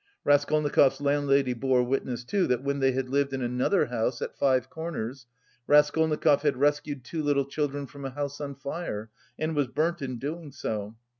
Raskolnikov's landlady bore witness, too, that when they had lived in another house at Five Corners, Raskolnikov had rescued two little children from a house on fire and was burnt in doing so.